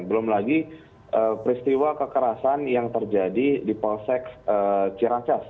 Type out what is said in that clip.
belum lagi peristiwa kekerasan yang terjadi di polsek ciracas